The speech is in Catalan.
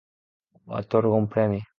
O atorga un premi.